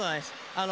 あの」